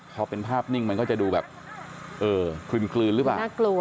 พอเป็นภาพนิ่งมันก็จะดูแบบเออคลืนหรือเปล่าน่ากลัว